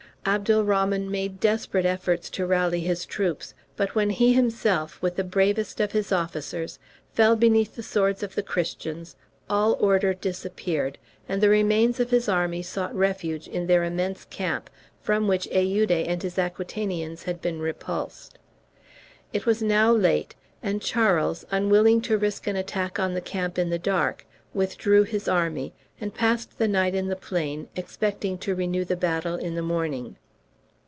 Abdalrahman made desperate efforts to rally his troops, but when he himself, with the bravest of his officers, fell beneath the swords of the Christians, all order disappeared, and the remains of his army sought refuge in their immense camp, from which Eude and his Aquitanians had been repulsed. It was now late, and Charles, unwilling to risk an attack on the camp in the dark, withdrew his army, and passed the night in the plain, expecting to renew the battle in the morning.